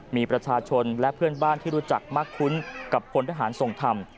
มีประชาชนและเพื่อนบ้านที่รู้จักมักคุ้นกับพลทหารทรงธรรม